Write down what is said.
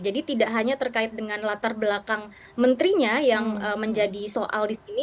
jadi tidak hanya terkait dengan latar belakang menterinya yang menjadi soal di sini